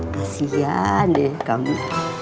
kasian deh kamu